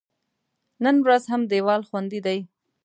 نن ورځ هم دیوال خوندي دی.